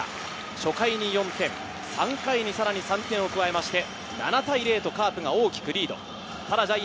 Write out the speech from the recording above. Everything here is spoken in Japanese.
初回に４点、３回にさらに３点を加えまして、７対０とカープが大きくリード。